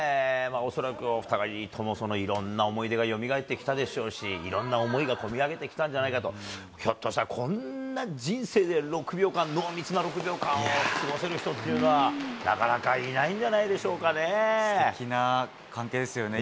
恐らくお二方、いろんな思い出がよみがえってきたでしょうし、いろんな思いが込み上げてきたんじゃないかと、ひょっとしたら、こんな人生で６秒間、濃密な６秒間を過ごせる人って、なかなかいすてきな関係ですよね。